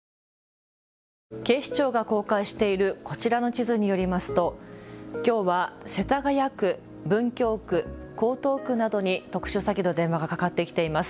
警視庁が公開しているこちらの地図によりますときょうは世田谷区、文京区、江東区などに特殊詐欺の電話がかかってきています。